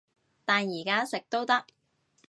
但而家食都得